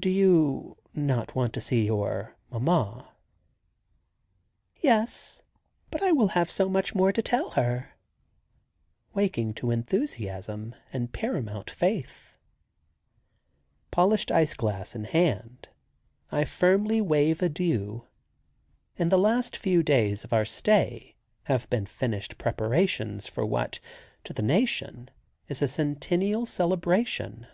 "Do you not want to see your mamma?" "Yes, but I will have so much more to tell her," waking to enthusiasm and paramount faith. Polished ice glass in hand I firmly wave adieu. In the last few days of our stay have been finished preparations for what, to the nation, is a centennial celebration.